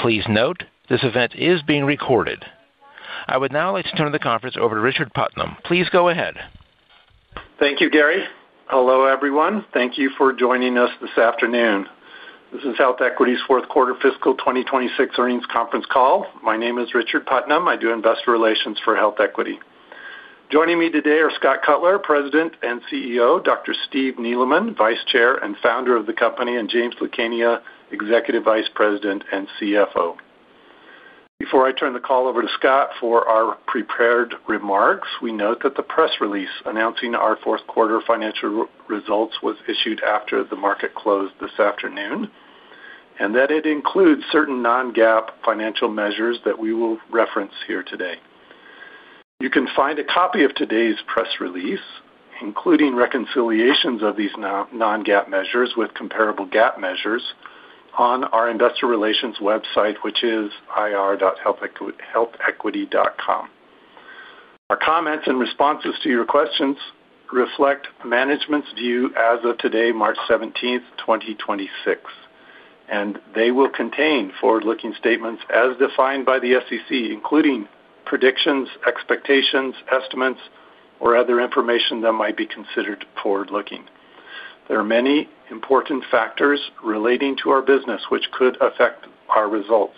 Please note, this event is being recorded. I would now like to turn the conference over to Richard Putnam. Please go ahead. Thank you, Gary. Hello, everyone. Thank you for joining us this afternoon. This is HealthEquity's fourth quarter fiscal 2026 earnings conference call. My name is Richard Putnam. I do investor relations for HealthEquity. Joining me today are Scott Cutler, President and CEO, Dr. Steve Neeleman, Vice Chair and founder of the company, and James Lucania, Executive Vice President and CFO. Before I turn the call over to Scott for our prepared remarks, we note that the press release announcing our fourth quarter financial results was issued after the market closed this afternoon, and that it includes certain non-GAAP financial measures that we will reference here today. You can find a copy of today's press release, including reconciliations of these non-GAAP measures with comparable GAAP measures on our investor relations website, which is ir.healthequity.com. Our comments and responses to your questions reflect management's view as of today, March 17th, 2026, and they will contain forward-looking statements as defined by the SEC, including predictions, expectations, estimates, or other information that might be considered forward-looking. There are many important factors relating to our business which could affect our results.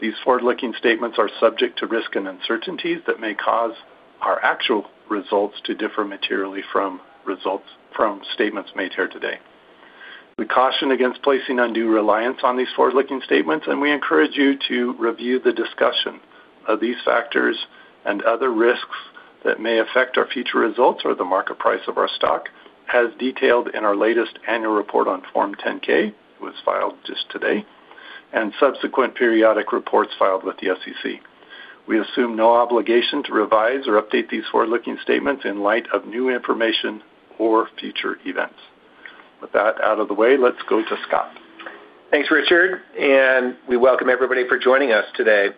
These forward-looking statements are subject to risks and uncertainties that may cause our actual results to differ materially from statements made here today. We caution against placing undue reliance on these forward-looking statements, and we encourage you to review the discussion of these factors and other risks that may affect our future results or the market price of our stock, as detailed in our latest annual report on Form 10-K, was filed just today, and subsequent periodic reports filed with the SEC. We assume no obligation to revise or update these forward-looking statements in light of new information or future events. With that out of the way, let's go to Scott. Thanks, Richard, and we welcome everybody for joining us today.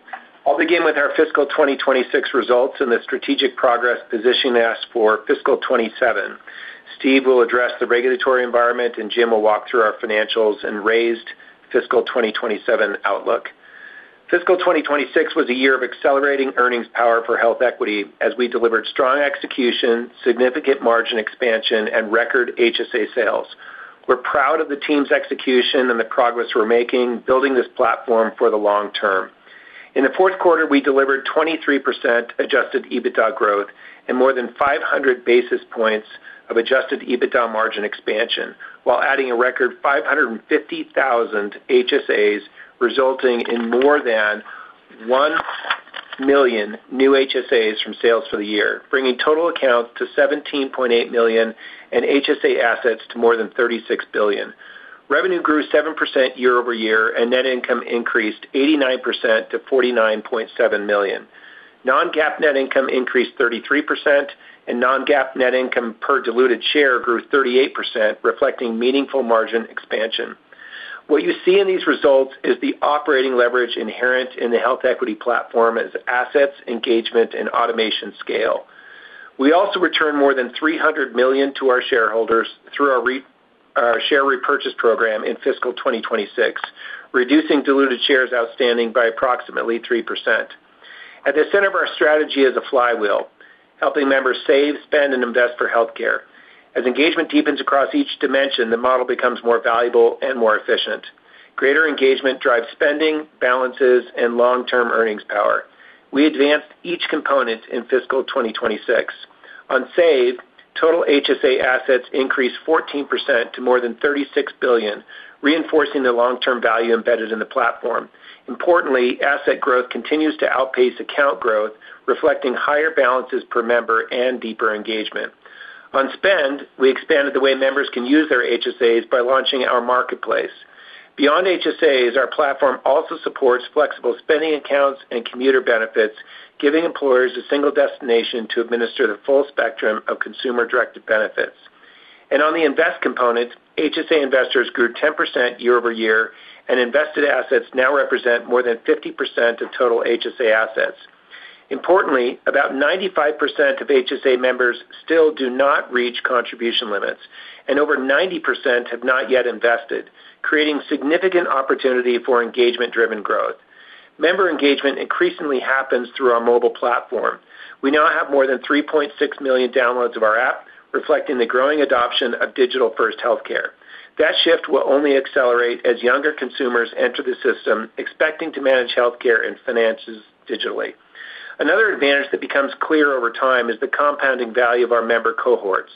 I'll begin with our fiscal 2026 results and the strategic progress positioning us for fiscal 2027. Steve will address the regulatory environment, and Jim will walk through our financials and raise fiscal 2027 outlook. Fiscal 2026 was a year of accelerating earnings power for HealthEquity as we delivered strong execution, significant margin expansion and record HSA sales. We're proud of the team's execution and the progress we're making building this platform for the long-term. In the fourth quarter, we delivered 23% adjusted EBITDA growth and more than 500 basis points of adjusted EBITDA margin expansion while adding a record 550,000 HSAs, resulting in more than 1 million new HSAs from sales for the year, bringing total accounts to 17.8 million and HSA assets to more than $36 billion. Revenue grew 7% year-over-year, and net income increased 89% to $49.7 million. Non-GAAP net income increased 33%, and non-GAAP net income per diluted share grew 38%, reflecting meaningful margin expansion. What you see in these results is the operating leverage inherent in the HealthEquity platform as assets, engagement, and automation scale. We also returned more than $300 million to our shareholders through our share repurchase program in fiscal 2026, reducing diluted shares outstanding by approximately 3%. At the center of our strategy is a flywheel, helping members save, spend, and invest for healthcare. As engagement deepens across each dimension, the model becomes more valuable and more efficient. Greater engagement drives spending, balances, and long-term earnings power. We advanced each component in fiscal 2026. On save, total HSA assets increased 14% to more than $36 billion, reinforcing the long-term value embedded in the platform. Importantly, asset growth continues to outpace account growth, reflecting higher balances per member and deeper engagement. On spend, we expanded the way members can use their HSAs by launching our Marketplace. Beyond HSAs, our platform also supports flexible spending accounts and commuter benefits, giving employers a single destination to administer the full spectrum of consumer-directed benefits. On the invest component, HSA investors grew 10% year-over-year, and invested assets now represent more than 50% of total HSA assets. Importantly, about 95% of HSA members still do not reach contribution limits, and over 90% have not yet invested, creating significant opportunity for engagement-driven growth. Member engagement increasingly happens through our mobile platform. We now have more than 3.6 million downloads of our app, reflecting the growing adoption of digital-first healthcare. That shift will only accelerate as younger consumers enter the system expecting to manage healthcare and finances digitally. Another advantage that becomes clear over time is the compounding value of our member cohorts.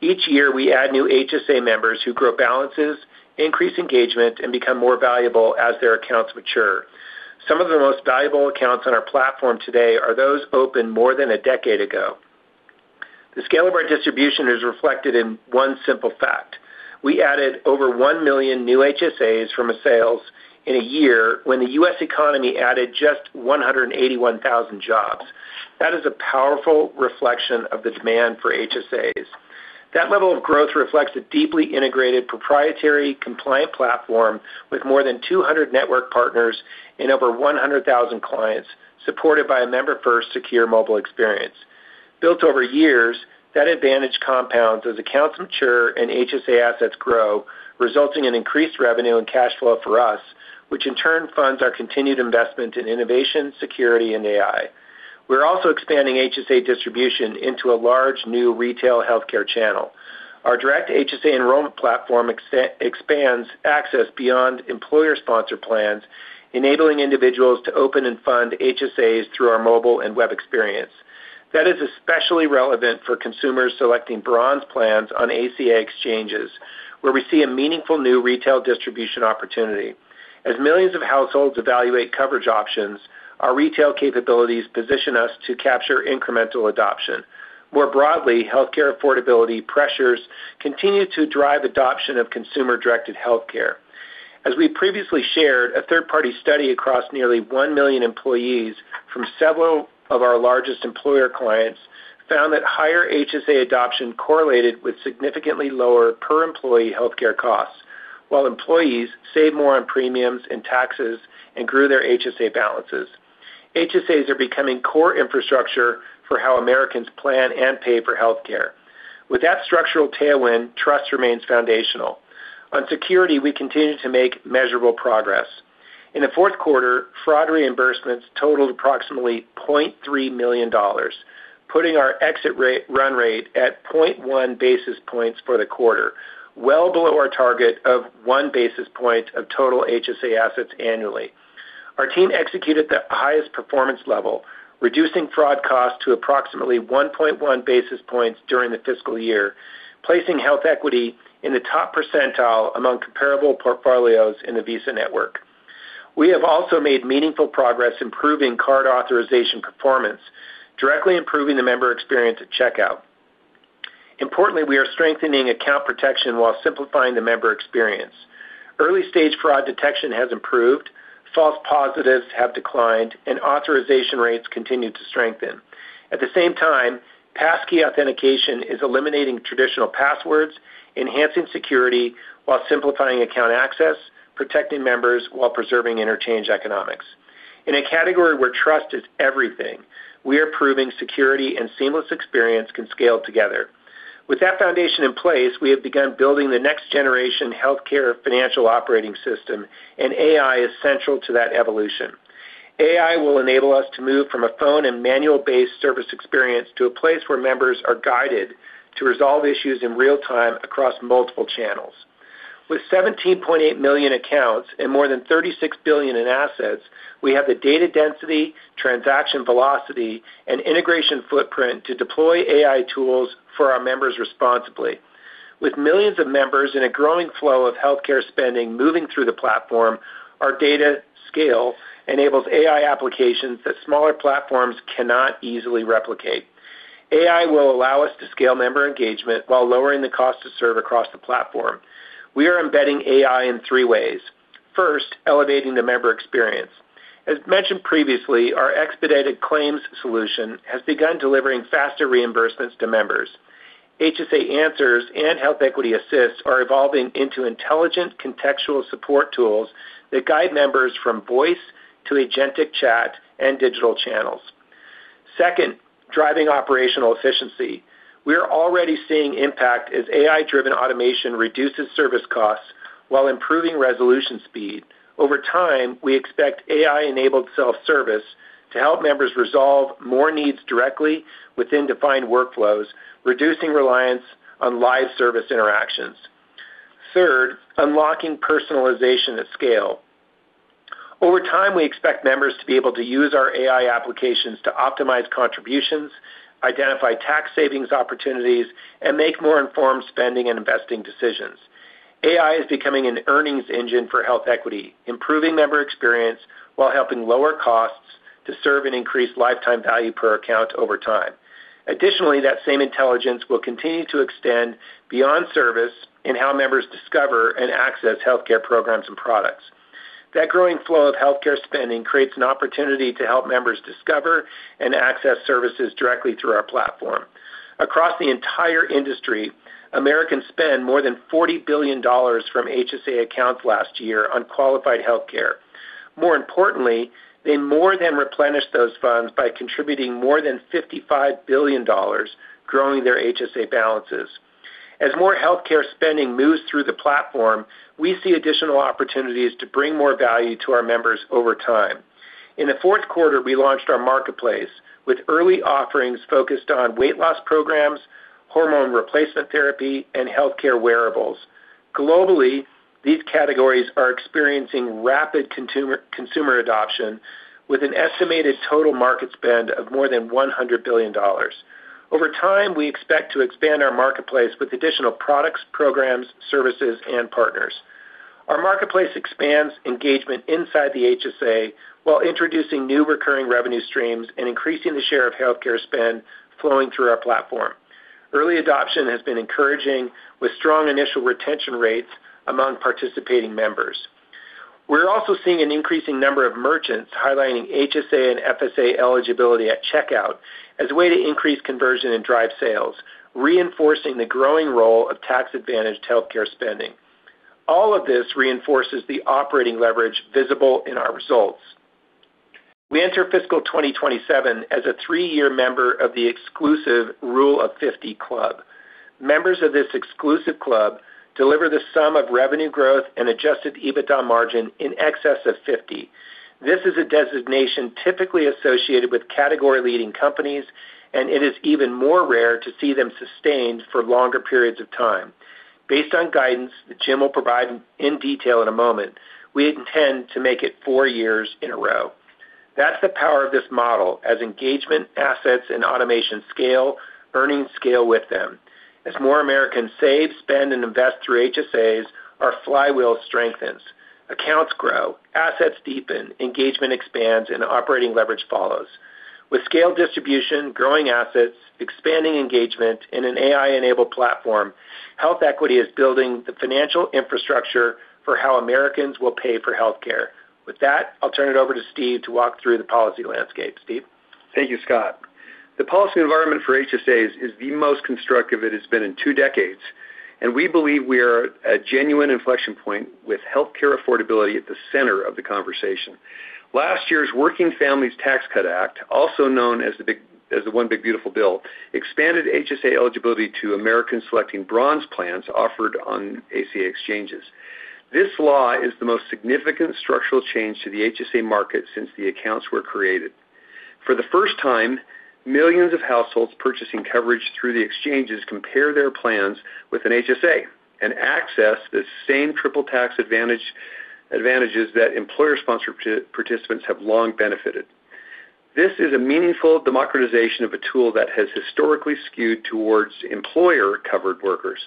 Each year, we add new HSA members who grow balances, increase engagement, and become more valuable as their accounts mature. Some of the most valuable accounts on our platform today are those opened more than a decade ago. The scale of our distribution is reflected in one simple fact. We added over 1 million new HSAs from sales in a year when the U.S. economy added just 181,000 jobs. That is a powerful reflection of the demand for HSAs. That level of growth reflects a deeply integrated, proprietary, compliant platform with more than 200 network partners and over 100,000 clients supported by a member-first secure mobile experience. Built over years, that advantage compounds as accounts mature and HSA assets grow, resulting in increased revenue and cash flow for us, which in turn funds our continued investment in innovation, security, and AI. We're also expanding HSA distribution into a large new retail healthcare channel. Our direct HSA enrollment platform expands access beyond employer-sponsored plans, enabling individuals to open and fund HSAs through our mobile and web experience. That is especially relevant for consumers selecting Bronze plans on ACA exchanges, where we see a meaningful new retail distribution opportunity. As millions of households evaluate coverage options, our retail capabilities position us to capture incremental adoption. More broadly, healthcare affordability pressures continue to drive adoption of consumer-directed healthcare. As we previously shared, a third-party study across nearly 1 million employees from several of our largest employer clients found that higher HSA adoption correlated with significantly lower per-employee healthcare costs, while employees saved more on premiums and taxes and grew their HSA balances. HSAs are becoming core infrastructure for how Americans plan and pay for healthcare. With that structural tailwind, trust remains foundational. On security, we continue to make measurable progress. In the fourth quarter, fraud reimbursements totaled approximately $0.3 million, putting our exit rate run rate at 0.1 basis points for the quarter, well below our target of 1 basis point of total HSA assets annually. Our team executed the highest performance level, reducing fraud costs to approximately 1.1 basis points during the fiscal year, placing HealthEquity in the top percentile among comparable portfolios in the Visa network. We have also made meaningful progress improving card authorization performance, directly improving the member experience at checkout. Importantly, we are strengthening account protection while simplifying the member experience. Early-stage fraud detection has improved, false positives have declined, and authorization rates continue to strengthen. At the same time, Passkey authentication is eliminating traditional passwords, enhancing security while simplifying account access, protecting members while preserving interchange economics. In a category where trust is everything, we are proving security and seamless experience can scale together. With that foundation in place, we have begun building the next generation healthcare financial operating system, and AI is central to that evolution. AI will enable us to move from a phone and manual-based service experience to a place where members are guided to resolve issues in real time across multiple channels. With 17.8 million accounts and more than $36 billion in assets, we have the data density, transaction velocity, and integration footprint to deploy AI tools for our members responsibly. With millions of members and a growing flow of healthcare spending moving through the platform, our data scale enables AI applications that smaller platforms cannot easily replicate. AI will allow us to scale member engagement while lowering the cost to serve across the platform. We are embedding AI in three ways. First, elevating the member experience. As mentioned previously, our Expedited Claims solution has begun delivering faster reimbursements to members. HSA Answers and HealthEquity Assist are evolving into intelligent contextual support tools that guide members from voice to agentic chat and digital channels. Second, driving operational efficiency. We are already seeing impact as AI-driven automation reduces service costs while improving resolution speed. Over time, we expect AI-enabled self-service to help members resolve more needs directly within defined workflows, reducing reliance on live service interactions. Third, unlocking personalization at scale. Over time, we expect members to be able to use our AI applications to optimize contributions, identify tax savings opportunities, and make more informed spending and investing decisions. AI is becoming an earnings engine for HealthEquity, improving member experience while helping lower costs to serve and increase lifetime value per account over time. Additionally, that same intelligence will continue to extend beyond service in how members discover and access healthcare programs and products. That growing flow of healthcare spending creates an opportunity to help members discover and access services directly through our platform. Across the entire industry, Americans spent more than $40 billion from HSA accounts last year on qualified healthcare. More importantly, they more than replenished those funds by contributing more than $55 billion, growing their HSA balances. As more healthcare spending moves through the platform, we see additional opportunities to bring more value to our members over time. In the fourth quarter, we launched our Marketplace with early offerings focused on weight loss programs, hormone replacement therapy, and healthcare wearables. Globally, these categories are experiencing rapid consumer adoption with an estimated total market spend of more than $100 billion. Over time, we expect to expand our Marketplace with additional products, programs, services, and partners. Our Marketplace expands engagement inside the HSA while introducing new recurring revenue streams and increasing the share of healthcare spend flowing through our platform. Early adoption has been encouraging with strong initial retention rates among participating members. We're also seeing an increasing number of merchants highlighting HSA and FSA eligibility at checkout as a way to increase conversion and drive sales, reinforcing the growing role of tax-advantaged healthcare spending. All of this reinforces the operating leverage visible in our results. We enter fiscal 2027 as a three-year member of the exclusive Rule of 50 club. Members of this exclusive club deliver the sum of revenue growth and adjusted EBITDA margin in excess of 50. This is a designation typically associated with category-leading companies, and it is even more rare to see them sustained for longer periods of time. Based on guidance that Jim will provide in detail in a moment, we intend to make it four years in a row. That's the power of this model. As engagement, assets, and automation scale, earnings scale with them. As more Americans save, spend, and invest through HSAs, our flywheel strengthens. Accounts grow, assets deepen, engagement expands, and operating leverage follows. With scaled distribution, growing assets, expanding engagement, and an AI-enabled platform, HealthEquity is building the financial infrastructure for how Americans will pay for healthcare. With that, I'll turn it over to Steve to walk through the policy landscape. Steve? Thank you, Scott. The policy environment for HSAs is the most constructive it has been in two decades, and we believe we are at a genuine inflection point with healthcare affordability at the center of the conversation. Last year's Working Families Tax Cuts Act, also known as the One Big Beautiful Bill Act, expanded HSA eligibility to Americans selecting bronze plans offered on ACA exchanges. This law is the most significant structural change to the HSA market since the accounts were created. For the first time, millions of households purchasing coverage through the exchanges compare their plans with an HSA and access the same triple tax advantage, advantages that employer-sponsored participants have long benefited. This is a meaningful democratization of a tool that has historically skewed towards employer-covered workers.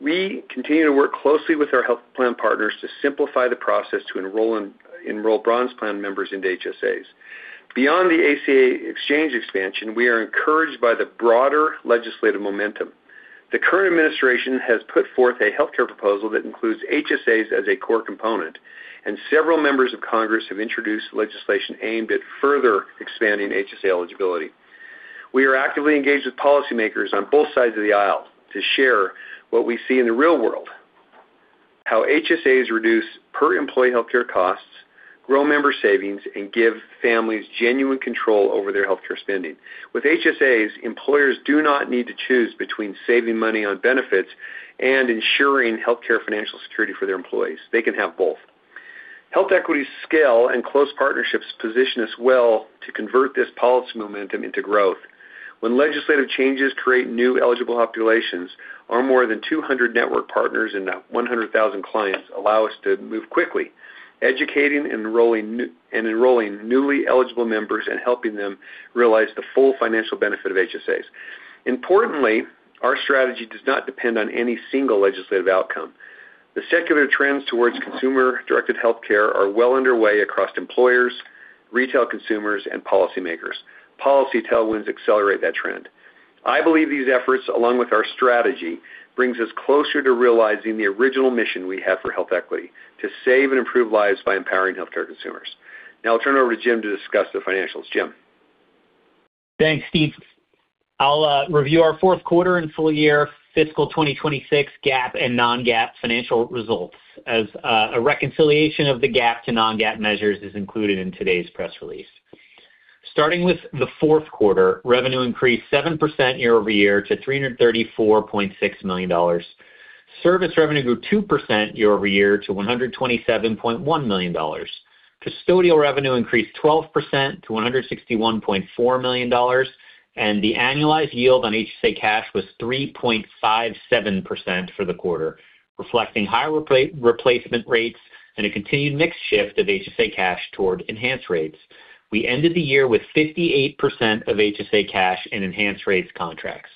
We continue to work closely with our health plan partners to simplify the process to enroll Bronze plan members into HSAs. Beyond the ACA exchange expansion, we are encouraged by the broader legislative momentum. The current administration has put forth a healthcare proposal that includes HSAs as a core component, and several members of Congress have introduced legislation aimed at further expanding HSA eligibility. We are actively engaged with policymakers on both sides of the aisle to share what we see in the real world, how HSAs reduce per-employee healthcare costs, grow member savings, and give families genuine control over their healthcare spending. With HSAs, employers do not need to choose between saving money on benefits and ensuring healthcare financial security for their employees. They can have both. HealthEquity scale and close partnerships position us well to convert this policy momentum into growth. When legislative changes create new eligible populations, our more than 200 network partners and 100,000 clients allow us to move quickly, educating and enrolling newly eligible members and helping them realize the full financial benefit of HSAs. Importantly, our strategy does not depend on any single legislative outcome. The secular trends towards consumer-directed healthcare are well underway across employers, retail consumers, and policymakers. Policy tailwinds accelerate that trend. I believe these efforts, along with our strategy, brings us closer to realizing the original mission we have for HealthEquity: to save and improve lives by empowering healthcare consumers. Now I'll turn it over to Jim to discuss the financials. Jim? Thanks, Steve. I'll review our fourth quarter and full year fiscal 2026 GAAP and non-GAAP financial results as a reconciliation of the GAAP to non-GAAP measures is included in today's press release. Starting with the fourth quarter, revenue increased 7% year-over-year to $334.6 million. Service revenue grew 2% year-over-year to $127.1 million. Custodial revenue increased 12% to $161.4 million, and the annualized yield on HSA cash was 3.57% for the quarter, reflecting higher replacement rates and a continued mix shift of HSA cash toward enhanced rates. We ended the year with 58% of HSA cash in enhanced rates contracts.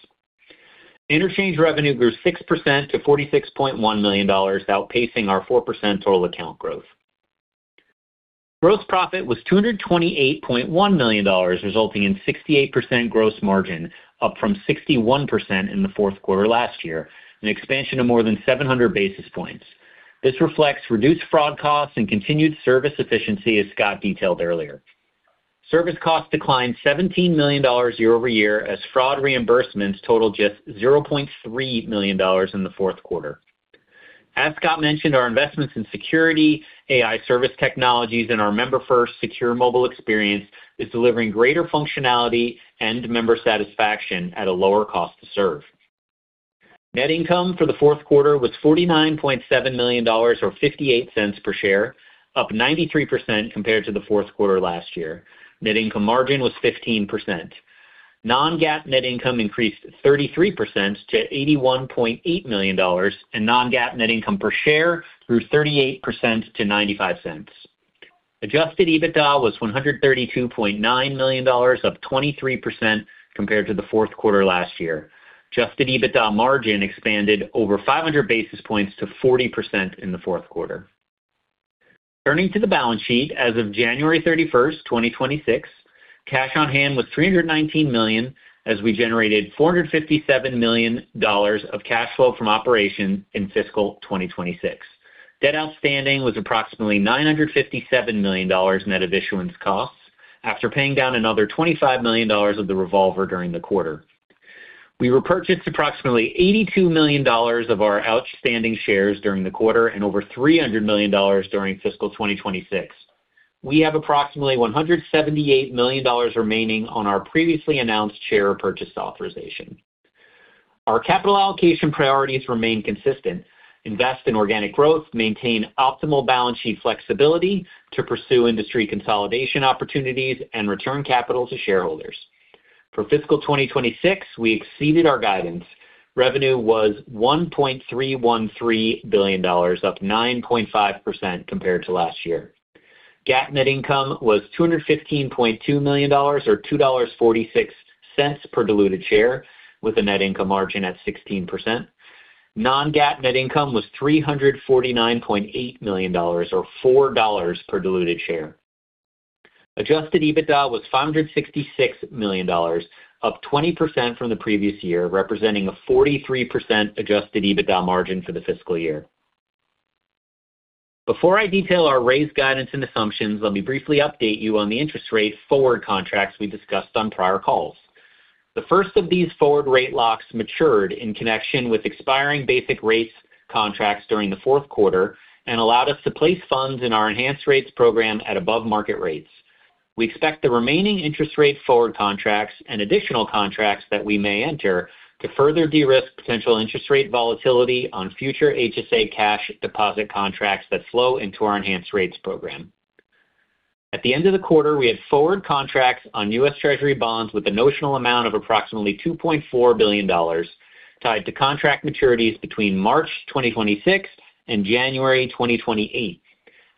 Interchange revenue grew 6% to $46.1 million, outpacing our 4% total account growth. Gross profit was $228.1 million, resulting in 68% gross margin, up from 61% in the fourth quarter last year, an expansion of more than 700 basis points. This reflects reduced fraud costs and continued service efficiency, as Scott detailed earlier. Service costs declined $17 million year-over-year as fraud reimbursements totaled just $0.3 million in the fourth quarter. As Scott mentioned, our investments in security, AI service technologies, and our member first secure mobile experience is delivering greater functionality and member satisfaction at a lower cost to serve. Net income for the fourth quarter was $49.7 million, or $0.58 per share, up 93% compared to the fourth quarter last year. Net income margin was 15%. Non-GAAP net income increased 33% to $81.8 million, and non-GAAP net income per share grew 38% to $0.95. Adjusted EBITDA was $132.9 million, up 23% compared to the fourth quarter last year. Adjusted EBITDA margin expanded over 500 basis points to 40% in the fourth quarter. Turning to the balance sheet, as of January 31st, 2026, cash on hand was $319 million, as we generated $457 million of cash flow from operations in fiscal 2026. Debt outstanding was approximately $957 million net of issuance costs after paying down another $25 million of the revolver during the quarter. We repurchased approximately $82 million of our outstanding shares during the quarter and over $300 million during fiscal 2026. We have approximately $178 million remaining on our previously announced share purchase authorization. Our capital allocation priorities remain consistent. Invest in organic growth, maintain optimal balance sheet flexibility to pursue industry consolidation opportunities and return capital to shareholders. For fiscal 2026, we exceeded our guidance. Revenue was $1.313 billion, up 9.5% compared to last year. GAAP net income was $215.2 million or $2.46 per diluted share, with a net income margin at 16%. Non-GAAP net income was $349.8 million or $4 per diluted share. Adjusted EBITDA was $566 million, up 20% from the previous year, representing a 43% adjusted EBITDA margin for the fiscal year. Before I detail our raised guidance and assumptions, let me briefly update you on the forward rate locks we discussed on prior calls. The first of these forward rate locks matured in connection with expiring Basic Rates contracts during the fourth quarter and allowed us to place funds in our Enhanced Rates program at above-market rates. We expect the remaining forward rate locks and additional contracts that we may enter to further de-risk potential interest rate volatility on future HSA cash deposit contracts that flow into our Enhanced Rates program. At the end of the quarter, we had forward contracts on U.S. Treasury bonds with a notional amount of approximately $2.4 billion, tied to contract maturities between March 2026 and January 2028,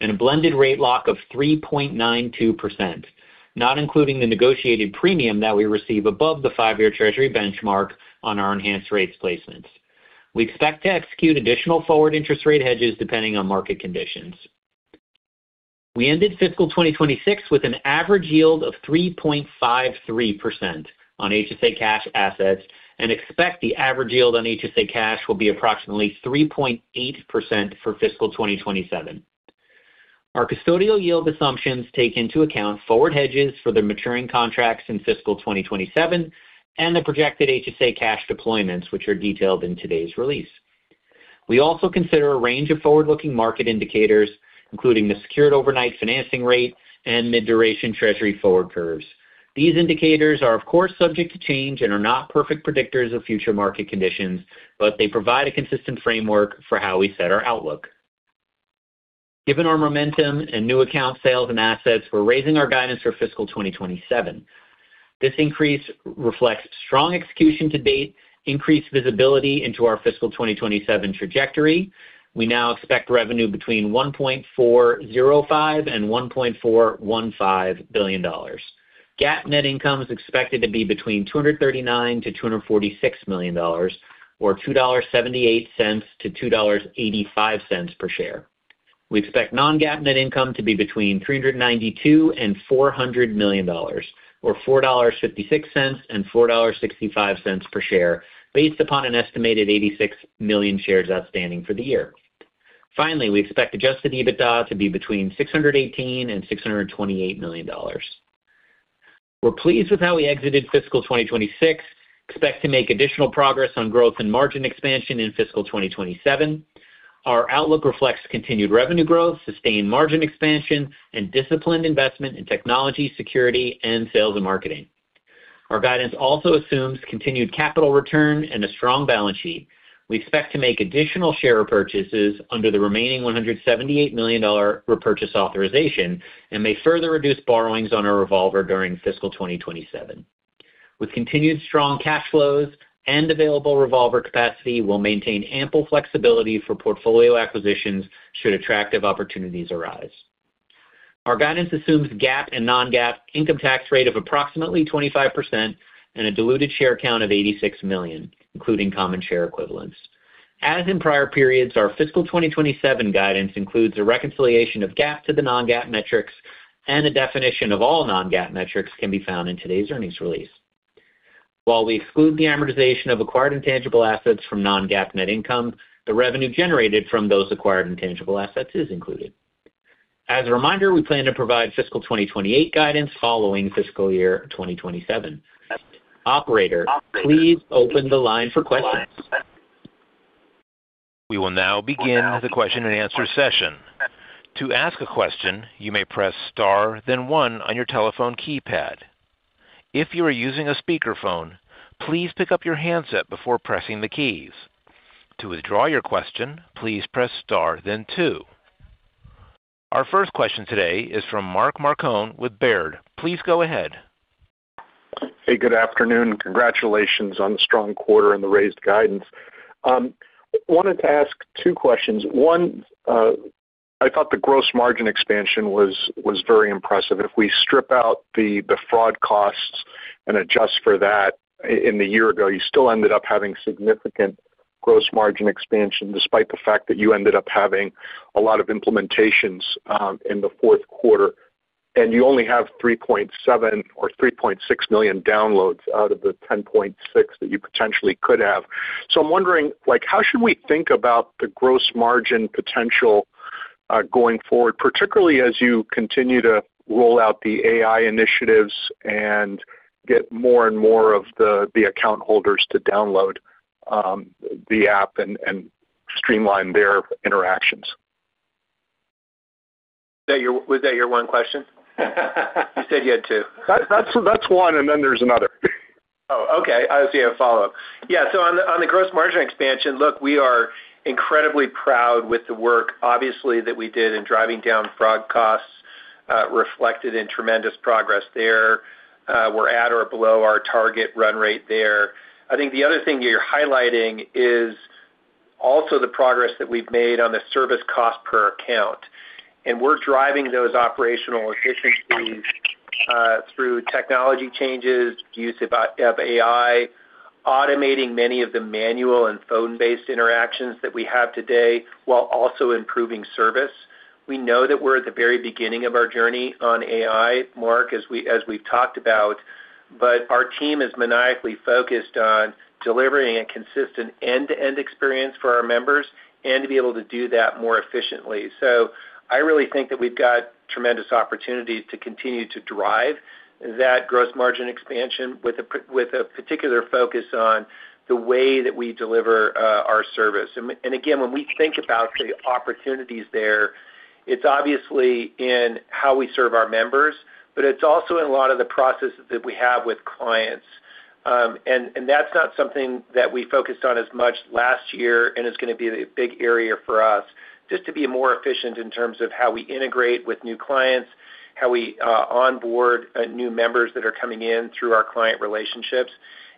and a blended rate lock of 3.92%, not including the negotiated premium that we receive above the five-year Treasury benchmark on our Enhanced Rates placements. We expect to execute additional forward interest rate hedges depending on market conditions. We ended fiscal 2026 with an average yield of 3.53% on HSA cash assets and expect the average yield on HSA cash will be approximately 3.8% for fiscal 2027. Our custodial yield assumptions take into account forward hedges for the maturing contracts in fiscal 2027 and the projected HSA cash deployments, which are detailed in today's release. We also consider a range of forward-looking market indicators, including the Secured Overnight Financing Rate and mid-duration Treasury forward curves. These indicators are, of course, subject to change and are not perfect predictors of future market conditions, but they provide a consistent framework for how we set our outlook. Given our momentum and new account sales and assets, we're raising our guidance for fiscal 2027. This increase reflects strong execution to date, increased visibility into our fiscal 2027 trajectory. We now expect revenue between $1.405 billion and $1.415 billion. GAAP net income is expected to be between $239 million-$246 million, or $2.78-$2.85 per share. We expect non-GAAP net income to be between $392 million and $400 million, or $4.56-$4.65 per share, based upon an estimated 86 million shares outstanding for the year. Finally, we expect adjusted EBITDA to be between $618 million and $628 million. We're pleased with how we exited fiscal 2026, expect to make additional progress on growth and margin expansion in fiscal 2027. Our outlook reflects continued revenue growth, sustained margin expansion, and disciplined investment in technology, security, and sales and marketing. Our guidance also assumes continued capital return and a strong balance sheet. We expect to make additional share purchases under the remaining $178 million repurchase authorization and may further reduce borrowings on our revolver during fiscal 2027. With continued strong cash flows and available revolver capacity, we'll maintain ample flexibility for portfolio acquisitions should attractive opportunities arise. Our guidance assumes GAAP and non-GAAP income tax rate of approximately 25% and a diluted share count of 86 million, including common share equivalents. As in prior periods, our fiscal 2027 guidance includes a reconciliation of GAAP to the non-GAAP metrics, and a definition of all non-GAAP metrics can be found in today's earnings release. While we exclude the amortization of acquired intangible assets from non-GAAP net income, the revenue generated from those acquired intangible assets is included. As a reminder, we plan to provide fiscal 2028 guidance following fiscal year 2027. Operator, please open the line for questions. We will now begin the question-and-answer session. To ask a question, you may press star then One on your telephone keypad. If you are using a speakerphone, please pick up your handset before pressing the keys. To withdraw your question, please press star then two. Our first question today is from Mark Marcon with Baird. Please go ahead. Hey, good afternoon. Congratulations on the strong quarter and the raised guidance. Wanted to ask two questions. One, I thought the gross margin expansion was very impressive. If we strip out the fraud costs and adjust for that in the year ago, you still ended up having significant gross margin expansion, despite the fact that you ended up having a lot of implementations in the fourth quarter, and you only have 3.6 million downloads out of the 10.6 that you potentially could have. I'm wondering, like, how should we think about the gross margin potential going forward, particularly as you continue to roll out the AI initiatives and get more and more of the account holders to download the app and streamline their interactions? Was that your one question? You said you had two. That's one, and then there's another. Okay. I see a follow-up. Yeah. On the gross margin expansion, look, we are incredibly proud with the work, obviously, that we did in driving down fraud costs, reflected in tremendous progress there. We're at or below our target run rate there. I think the other thing you're highlighting is also the progress that we've made on the service cost per account. We're driving those operational efficiencies through technology changes, use of AI, automating many of the manual and phone-based interactions that we have today while also improving service. We know that we're at the very beginning of our journey on AI, Mark, as we've talked about, but our team is maniacally focused on delivering a consistent end-to-end experience for our members and to be able to do that more efficiently. I really think that we've got tremendous opportunity to continue to drive that gross margin expansion with a particular focus on the way that we deliver our service. Again, when we think about the opportunities there, it's obviously in how we serve our members, but it's also in a lot of the processes that we have with clients. That's not something that we focused on as much last year and is going to be a big area for us just to be more efficient in terms of how we integrate with new clients, how we onboard new members that are coming in through our client relationships.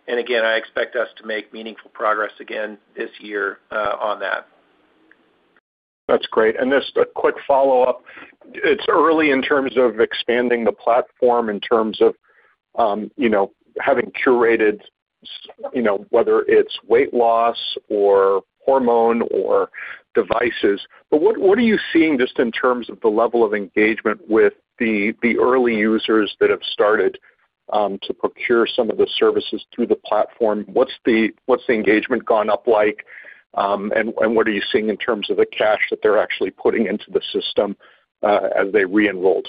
I expect us to make meaningful progress again this year on that. That's great. Just a quick follow-up. It's early in terms of expanding the platform, in terms of, you know, having curated, you know, whether it's weight loss or hormone or devices. What are you seeing just in terms of the level of engagement with the early users that have started to procure some of the services through the platform? What's the engagement gone up like, and what are you seeing in terms of the cash that they're actually putting into the system, as they re-enrolled?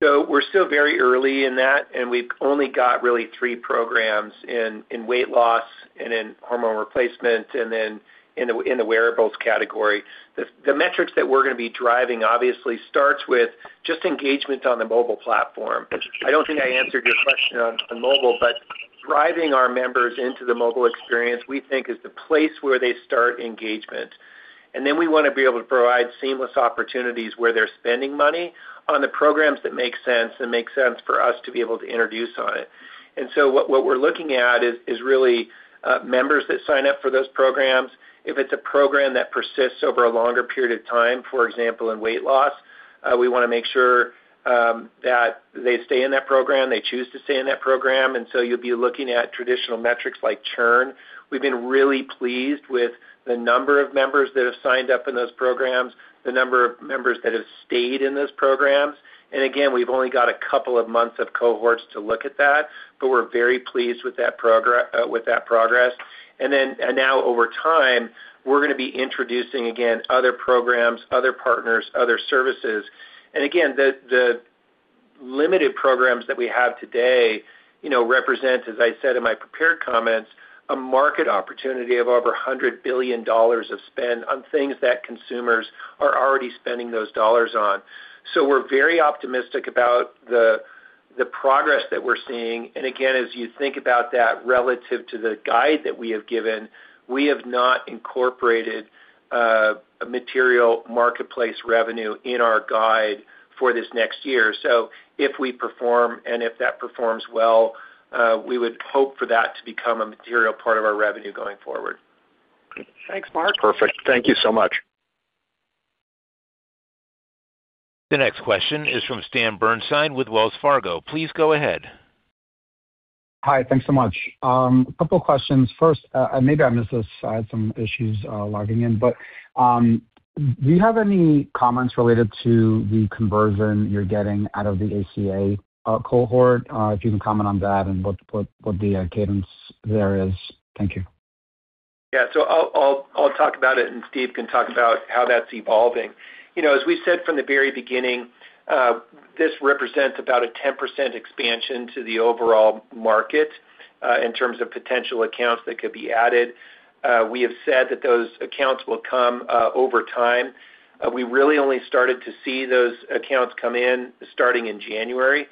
We're still very early in that, and we've only got really three programs in weight loss and in hormone replacement and then in the wearables category. The metrics that we're going to be driving obviously starts with just engagement on the mobile platform. I don't think I answered your question on mobile, but driving our members into the mobile experience, we think is the place where they start engagement. Then we want to be able to provide seamless opportunities where they're spending money on the programs that make sense and make sense for us to be able to introduce on it. What we're looking at is really members that sign up for those programs. If it's a program that persists over a longer period of time, for example, in weight loss, we want to make sure that they stay in that program, they choose to stay in that program. You'll be looking at traditional metrics like churn. We've been really pleased with the number of members that have signed up in those programs, the number of members that have stayed in those programs. Again, we've only got a couple of months of cohorts to look at that, but we're very pleased with that progress. Now over time, we're going to be introducing, again, other programs, other partners, other services. Again, the limited programs that we have today, you know, represent, as I said in my prepared comments, a market opportunity of over $100 billion of spend on things that consumers are already spending those dollars on. We're very optimistic about the progress that we're seeing. Again, as you think about that relative to the guide that we have given, we have not incorporated a material Marketplace revenue in our guide for this next year. If we perform and if that performs well, we would hope for that to become a material part of our revenue going forward. Thanks, perfect. Thank you so much. The next question is from Stan Berenshteyn with Wells Fargo. Please go ahead. Hi. Thanks so much. A couple questions. First, maybe I missed this. I had some issues logging in, but do you have any comments related to the conversion you're getting out of the ACA cohort? If you can comment on that and what the cadence there is. Thank you. Yeah. I'll talk about it, and Steve can talk about how that's evolving. You know, as we said from the very beginning, this represents about a 10% expansion to the overall market in terms of potential accounts that could be added. We have said that those accounts will come over time. We really only started to see those accounts come in starting in January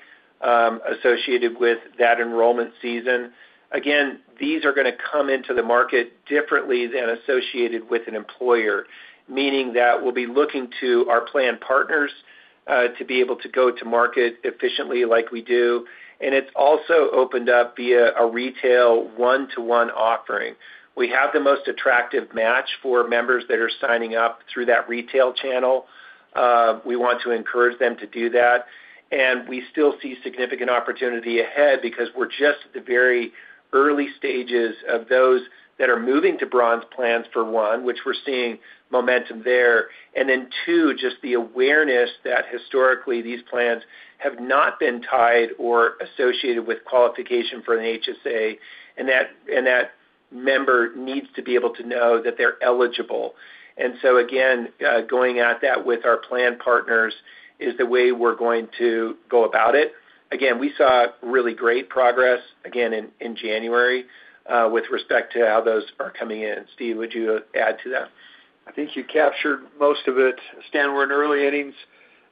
associated with that enrollment season. Again, these are going to come into the market differently than associated with an employer, meaning that we'll be looking to our plan partners to be able to go to market efficiently like we do. It's also opened up via a retail one-to-one offering. We have the most attractive match for members that are signing up through that retail channel. We want to encourage them to do that. We still see significant opportunity ahead because we're just at the very early stages of those that are moving to Bronze plans, for one, which we're seeing momentum there. Two, just the awareness that historically these plans have not been tied or associated with qualification for an HSA and that member needs to be able to know that they're eligible. Again, going at that with our plan partners is the way we're going to go about it. Again, we saw really great progress, again, in January with respect to how those are coming in. Steve, would you add to that? I think you captured most of it, Stan. We're in early innings.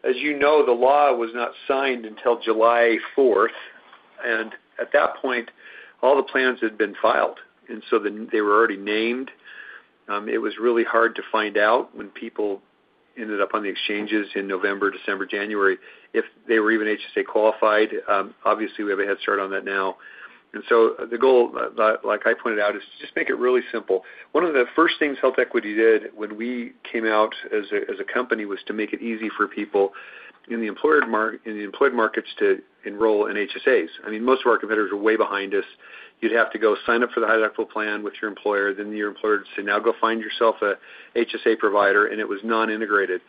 As you know, the law was not signed until July 4th, and at that point, all the plans had been filed, and so they were already named. It was really hard to find out when people ended up on the exchanges in November, December, January, if they were even HSA qualified. Obviously, we have a head start on that now. The goal, like I pointed out, is to just make it really simple. One of the first things HealthEquity did when we came out as a company was to make it easy for people in the employed markets to enroll in HSAs. I mean, most of our competitors are way behind us. You'd have to go sign up for the high-deductible health plan with your employer, then your employer would say, "Now go find yourself a HSA provider," and it was non-integrated.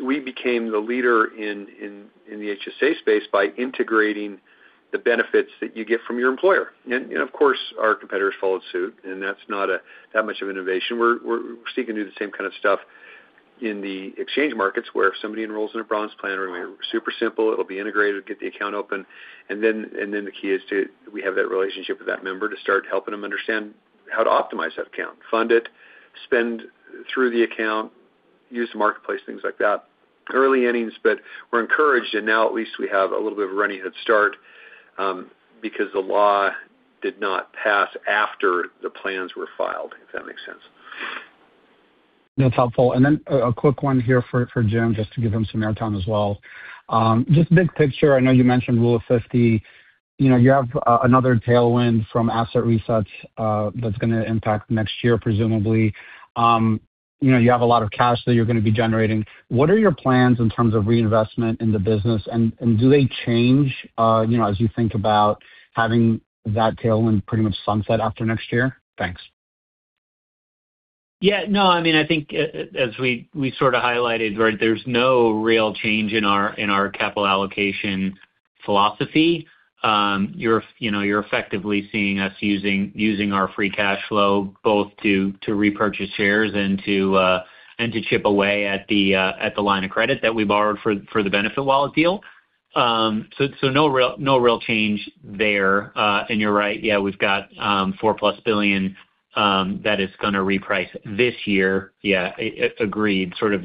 We became the leader in the HSA space by integrating the benefits that you get from your employer. Of course, our competitors followed suit, and that's not that much of innovation. We're seeking to do the same kind of stuff in the exchange markets, where if somebody enrolls in a Bronze plan, it'll be super simple, it'll be integrated, get the account open. The key is to we have that relationship with that member to start helping them understand how to optimize that account, fund it, spend through the account, use the Marketplace, things like that. Early innings, but we're encouraged, and now at least we have a little bit of a running head start, because the law did not pass after the plans were filed, if that makes sense. That's helpful. A quick one here for Jim, just to give him some air time as well. Just big picture, I know you mentioned Rule of 50. You know, you have another tailwind from asset resets, that's going to impact next year, presumably. You know, you have a lot of cash that you're going to be generating. What are your plans in terms of reinvestment in the business? Do they change, you know, as you think about having that tailwind pretty much sunset after next year? Thanks. Yeah, no, I mean, I think as we sort of highlighted, right, there's no real change in our capital allocation philosophy. You know, you're effectively seeing us using our free cash flow both to repurchase shares and to chip away at the line of credit that we borrowed for the BenefitWallet deal. So no real change there. And you're right, yeah, we've got $4+ billion that is going to reprice this year. Yeah, agreed. Sort of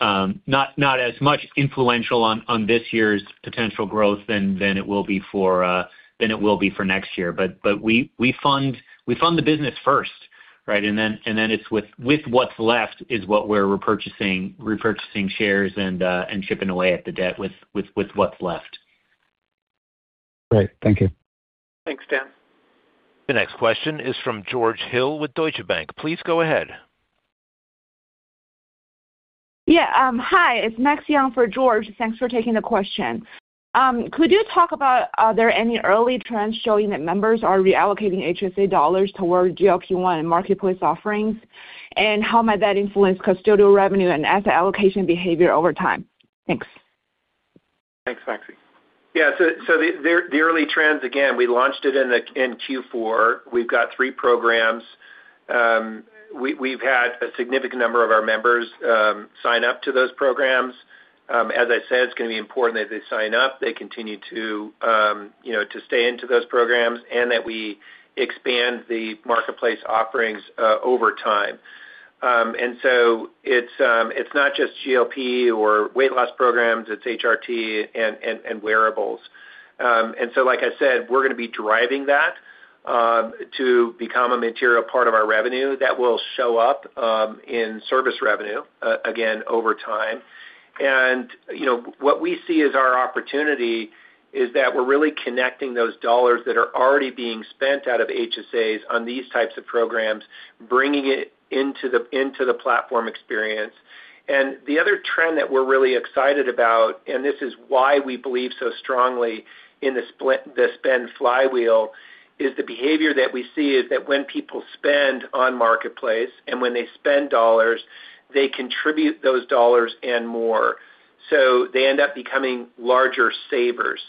not as much influential on this year's potential growth than it will be for next year. We fund the business first, right? It's with what's left is what we're repurchasing shares and chipping away at the debt with what's left. Great. Thank you. Thanks, Stan. The next question is from George Hill with Deutsche Bank. Please go ahead. Hi, it's Maxi here on for George. Thanks for taking the question. Could you talk about, are there any early trends showing that members are reallocating HSA dollars toward GLP-1 and Marketplace offerings? How might that influence custodial revenue and asset allocation behavior over time? Thanks. Thanks, Maxi. Yeah, so the early trends, again, we launched it in Q4. We've got three programs. We've had a significant number of our members sign up to those programs. As I said, it's going to be important that they sign up, they continue to, you know, to stay in those programs and that we expand the Marketplace offerings over time. It's not just GLP or weight loss programs, it's HRT and wearables. Like I said, we're going to be driving that to become a material part of our revenue that will show up in service revenue again over time. You know, what we see as our opportunity is that we're really connecting those dollars that are already being spent out of HSAs on these types of programs, bringing it into the platform experience. The other trend that we're really excited about, and this is why we believe so strongly in the spend flywheel, is the behavior that we see is that when people spend on Marketplace and when they spend dollars, they contribute those dollars and more. They end up becoming larger savers,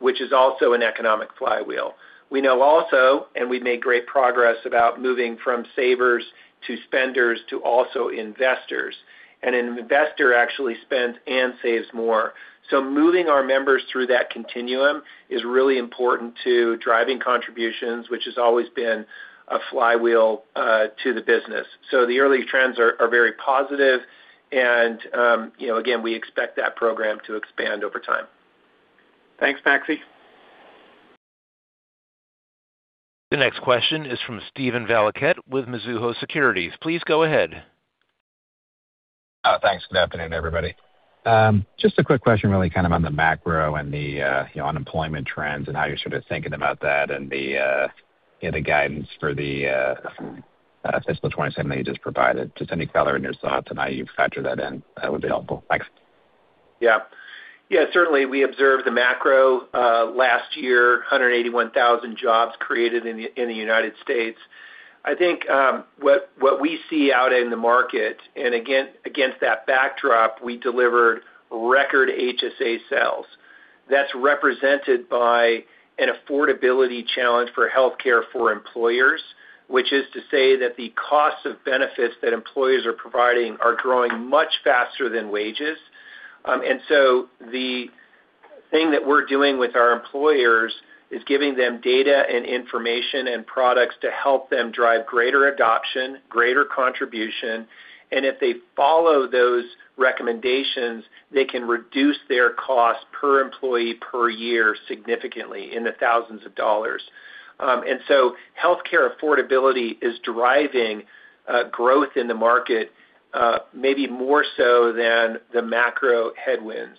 which is also an economic flywheel. We know also, and we've made great progress about moving from savers to spenders to also investors. An investor actually spends and saves more. Moving our members through that continuum is really important to driving contributions, which has always been a flywheel to the business. The early trends are very positive. You know, again, we expect that program to expand over time. Thanks, Maxi. The next question is from Steven Valiquette with Mizuho Securities. Please go ahead. Thanks. Good afternoon, everybody. Just a quick question really kind of on the macro and the, you know, unemployment trends and how you're sort of thinking about that and the, you know, the guidance for the fiscal 2027 that you just provided. Just any color in your thoughts on how you factor that in, that would be helpful. Thanks. Yeah. Yeah, certainly we observed the macro last year, 181,000 jobs created in the United States. I think what we see out in the market and against that backdrop, we delivered record HSA sales. That's represented by an affordability challenge for healthcare for employers, which is to say that the costs of benefits that employees are providing are growing much faster than wages. The thing that we're doing with our employers is giving them data and information and products to help them drive greater adoption, greater contribution. If they follow those recommendations, they can reduce their cost per employee per year significantly in the thousands of dollars. Healthcare affordability is driving growth in the market, maybe more so than the macro headwinds.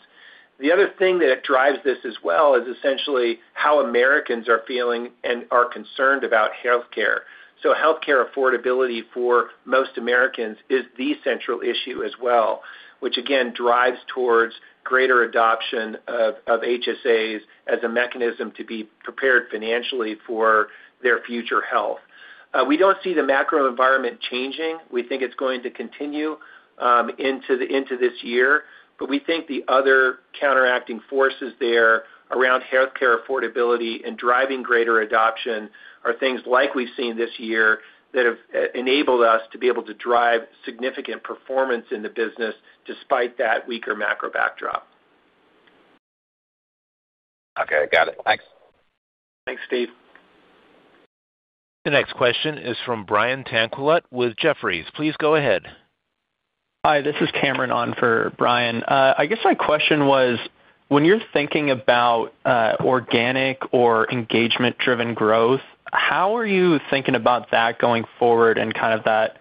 The other thing that drives this as well is essentially how Americans are feeling and are concerned about healthcare. Healthcare affordability for most Americans is the central issue as well, which again drives towards greater adoption of HSAs as a mechanism to be prepared financially for their future health. We don't see the macro environment changing. We think it's going to continue into this year. We think the other counteracting forces there around healthcare affordability and driving greater adoption are things like we've seen this year that have enabled us to be able to drive significant performance in the business despite that weaker macro backdrop. Okay. Got it. Thanks. Thanks, Steve. The next question is from Brian Tanquilut with Jefferies. Please go ahead. Hi, this is Cameron on for Brian. I guess my question was, when you're thinking about organic or engagement-driven growth, how are you thinking about that going forward and kind of that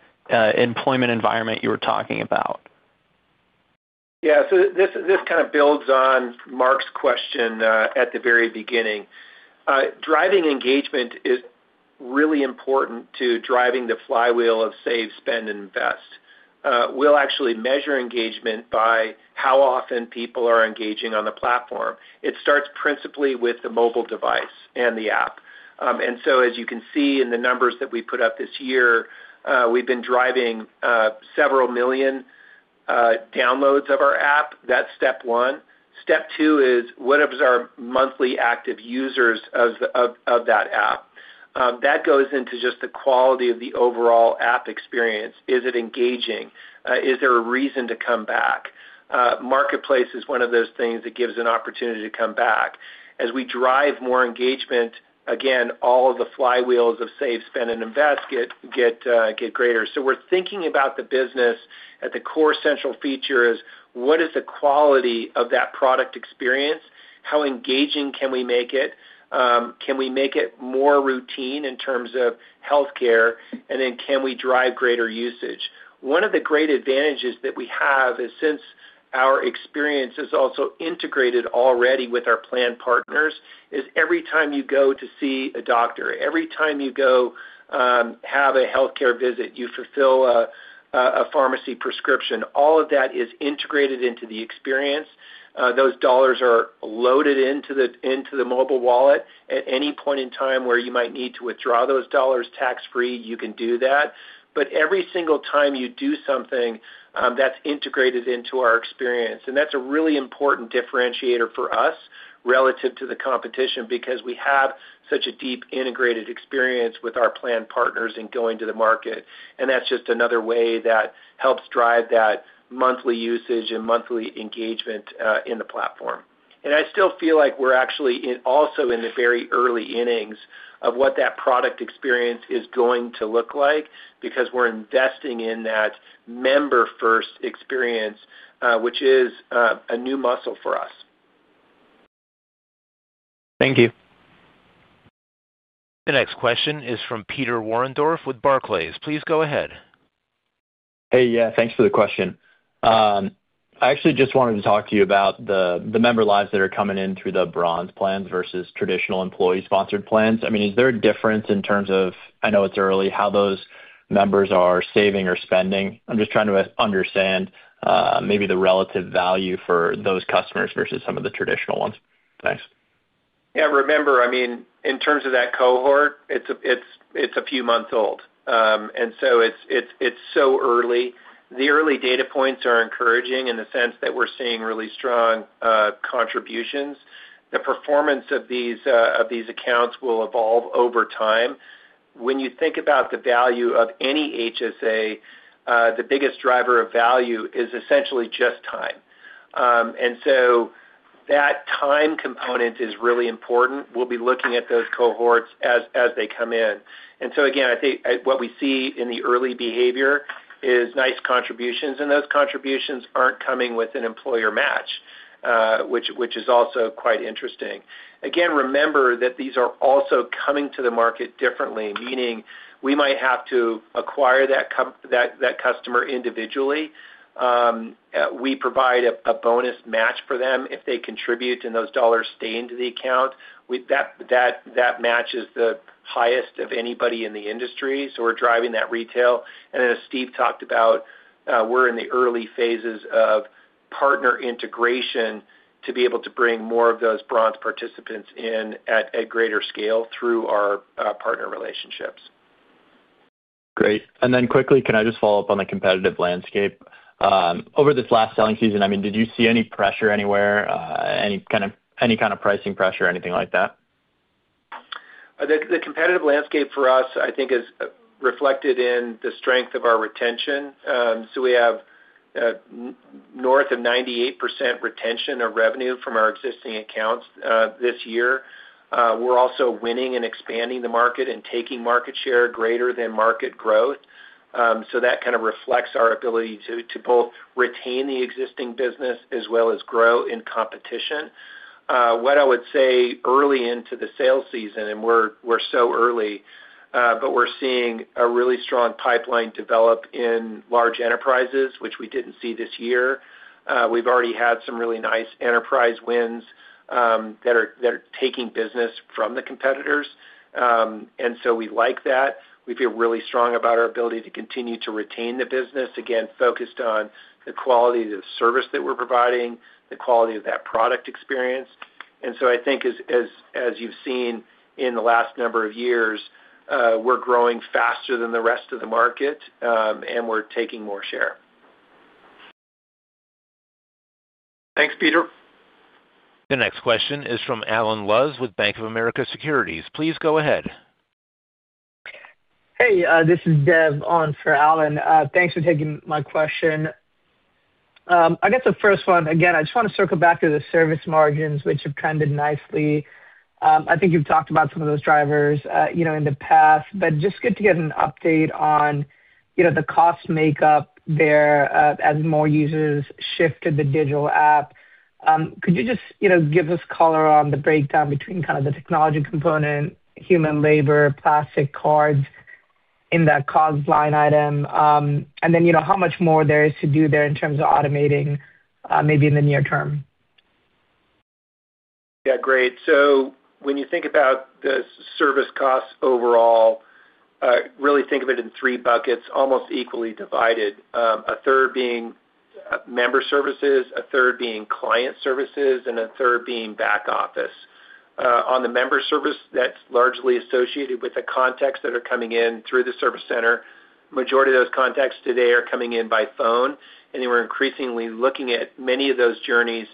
employment environment you were talking about? Yeah. This kind of builds on Mark's question at the very beginning. Driving engagement is really important to driving the flywheel of save, spend and invest. We'll actually measure engagement by how often people are engaging on the platform. It starts principally with the mobile device and the app. As you can see in the numbers that we put up this year, we've been driving several million downloads of our app. That's step one. Step two is, what is our monthly active users of that app? That goes into just the quality of the overall app experience. Is it engaging? Is there a reason to come back? Marketplace is one of those things that gives an opportunity to come back. As we drive more engagement, again, all of the flywheels of save, spend and invest get greater. We're thinking about the business at the core central feature is, what is the quality of that product experience? How engaging can we make it? Can we make it more routine in terms of healthcare? Can we drive greater usage? One of the great advantages that we have is, since our experience is also integrated already with our plan partners, every time you go to see a doctor, every time you go have a healthcare visit, you fulfill a pharmacy prescription, all of that is integrated into the experience. Those dollars are loaded into the mobile wallet. At any point in time where you might need to withdraw those dollars tax-free, you can do that. Every single time you do something that's integrated into our experience. That's a really important differentiator for us relative to the competition because we have such a deep integrated experience with our plan partners in going to the market. That's just another way that helps drive that monthly usage and monthly engagement in the platform. I still feel like we're actually in the very early innings of what that product experience is going to look like because we're investing in that member first experience, which is a new muscle for us. Thank you. The next question is from Peter Warendorf with Barclays. Please go ahead. Hey. Yeah, thanks for the question. I actually just wanted to talk to you about the member lives that are coming in through the Bronze plans versus traditional employee-sponsored plans. I mean, is there a difference in terms of, I know it's early, how those members are saving or spending? I'm just trying to understand, maybe the relative value for those customers versus some of the traditional ones. Thanks. Yeah. Remember, I mean, in terms of that cohort, it's a few months old. It's so early. The early data points are encouraging in the sense that we're seeing really strong contributions. The performance of these accounts will evolve over time. When you think about the value of any HSA, the biggest driver of value is essentially just time. That time component is really important. We'll be looking at those cohorts as they come in. Again, I think, what we see in the early behavior is nice contributions, and those contributions aren't coming with an employer match, which is also quite interesting. Again, remember that these are also coming to the market differently, meaning we might have to acquire that customer individually. We provide a bonus match for them if they contribute and those dollars stay in the account. That match is the highest of anybody in the industry, so we're driving that retail. As Steve talked about, we're in the early phases of partner integration to be able to bring more of those bronze participants in at greater scale through our partner relationships. Great. Quickly, can I just follow up on the competitive landscape? Over this last selling season, I mean, did you see any pressure anywhere, any kind of pricing pressure or anything like that? The competitive landscape for us, I think, is reflected in the strength of our retention. We have north of 98% retention of revenue from our existing accounts this year. We're also winning and expanding the market and taking market share greater than market growth. That kind of reflects our ability to both retain the existing business as well as grow in competition. What I would say early into the sales season, and we're so early, but we're seeing a really strong pipeline develop in large enterprises, which we didn't see this year. We've already had some really nice enterprise wins that are taking business from the competitors. We like that. We feel really strong about our ability to continue to retain the business, again, focused on the quality of the service that we're providing, the quality of that product experience. I think as you've seen in the last number of years, we're growing faster than the rest of the market, and we're taking more share. Thanks, Peter. The next question is from Allen Lutz with Bank of America Securities. Please go ahead. Hey, this is Dave on for Allen Lutz. Thanks for taking my question. I guess the first one, again, I just want to circle back to the service margins, which have trended nicely. I think you've talked about some of those drivers, you know, in the past, but just good to get an update on, you know, the cost makeup there, as more users shift to the digital app. Could you just, you know, give us color on the breakdown between kind of the technology component, human labor, plastic cards in that cost line item? And then, you know, how much more there is to do there in terms of automating, maybe in the near-term. Yeah. Great. When you think about the service costs overall, really think of it in three buckets, almost equally divided. 1/3 being member services, 1/3 being client services, and 1/3 being back office. On the member service, that's largely associated with the contacts that are coming in through the service center. Majority of those contacts today are coming in by phone, and they were increasingly looking at many of those journeys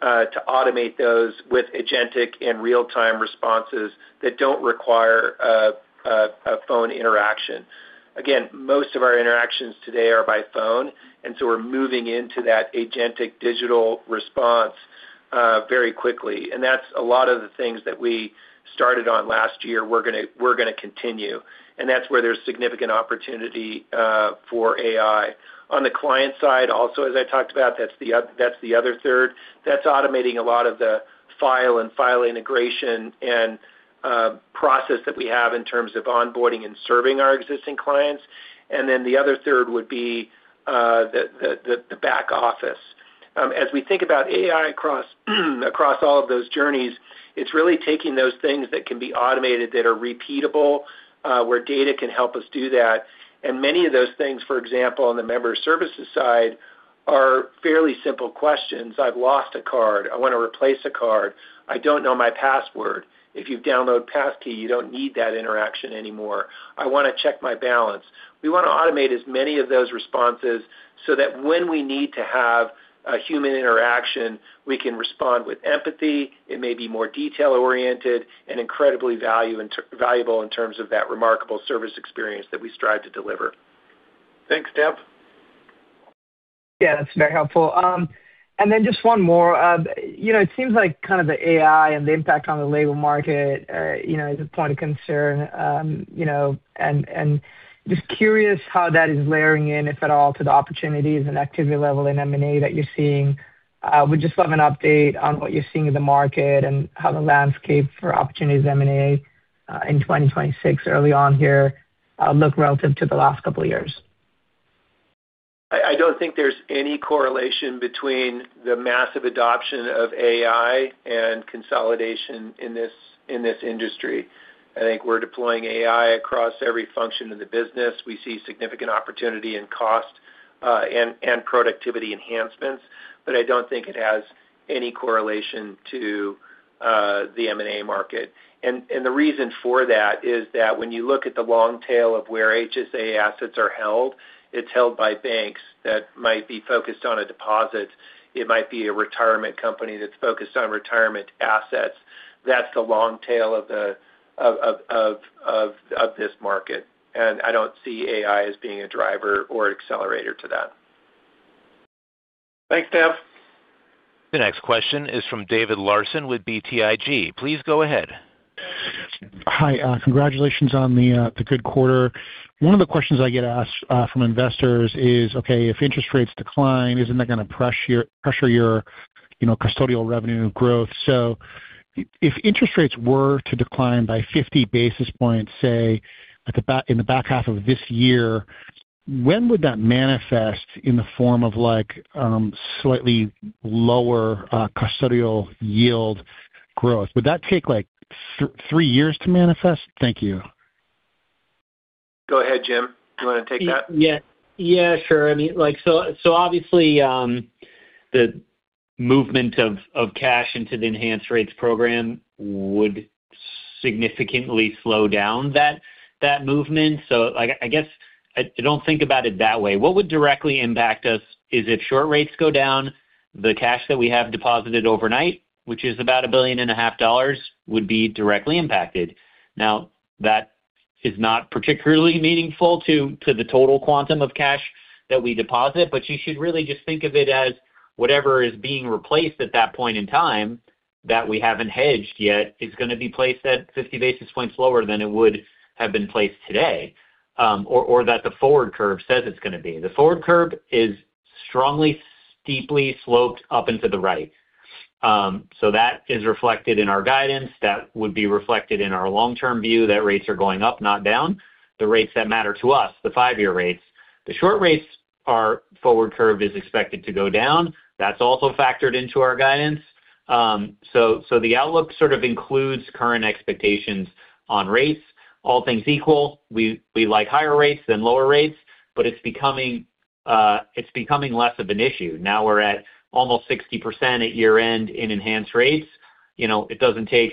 to automate those with agentic and real-time responses that don't require a phone interaction. Again, most of our interactions today are by phone, and we're moving into that agentic digital response very quickly. That's a lot of the things that we started on last year we're going to continue, and that's where there's significant opportunity for AI. On the client side also, as I talked about, that's the other 1/3. That's automating a lot of the file integration and process that we have in terms of onboarding and serving our existing clients. The other 1/3 would be the back office. As we think about AI across all of those journeys, it's really taking those things that can be automated that are repeatable, where data can help us do that. Many of those things, for example, on the member services side, are fairly simple questions. I've lost a card. I want to replace a card. I don't know my password. If you download Passkey, you don't need that interaction anymore. I want to check my balance. We want to automate as many of those responses so that when we need to have a human interaction, we can respond with empathy. It may be more detail-oriented and incredibly valuable in terms of that remarkable service experience that we strive to deliver. Thanks, Dave. Yeah, that's very helpful. Then just one more. You know, it seems like kind of the AI and the impact on the labor market, you know, is a point of concern. You know, and just curious how that is layering in, if at all, to the opportunities and activity level in M&A that you're seeing. Would just love an update on what you're seeing in the market and how the landscape for opportunities M&A, in 2026 early on here, look relative to the last couple of years. I don't think there's any correlation between the massive adoption of AI and consolidation in this industry. I think we're deploying AI across every function of the business. We see significant opportunity in cost and productivity enhancements, but I don't think it has any correlation to the M&A market. The reason for that is that when you look at the long tail of where HSA assets are held, it's held by banks that might be focused on a deposit. It might be a retirement company that's focused on retirement assets. That's the long tail of this market. I don't see AI as being a driver or accelerator to that. Thanks, Dave. The next question is from David Larsen with BTIG. Please go ahead. Hi, congratulations on the good quarter. One of the questions I get asked from investors is, okay, if interest rates decline, isn't that going to pressure your, you know, custodial revenue growth? If interest rates were to decline by 50 basis points, say in the back half of this year, when would that manifest in the form of like slightly lower custodial yield growth? Would that take like three years to manifest? Thank you. Go ahead, Jim. Do you want to take that? Yeah, sure. I mean, like, so obviously, the movement of cash into the Enhanced Rates program would significantly slow down that movement. Like, I guess I don't think about it that way. What would directly impact us is if short rates go down, the cash that we have deposited overnight, which is about $1.5 billion, would be directly impacted. Now, that is not particularly meaningful to the total quantum of cash that we deposit, but you should really just think of it as whatever is being replaced at that point in time that we haven't hedged yet is going to be placed at 50 basis points lower than it would have been placed today, or that the forward curve says it's going to be. The forward curve is strongly, steeply sloped up into the right. That is reflected in our guidance. That would be reflected in our long-term view that rates are going up, not down, the rates that matter to us, the five-year rates. The short rates forward curve is expected to go down. That's also factored into our guidance. The outlook sort of includes current expectations on rates. All things equal, we like higher rates than lower rates, but it's becoming less of an issue. Now we're at almost 60% at year-end in Enhanced Rates. You know, it doesn't take